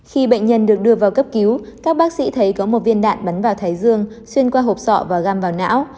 khi bệnh nhân được đưa vào cấp cứu các bác sĩ thấy có một viên đạn bắn vào thái dương xuyên qua hộp sọ và gam vào não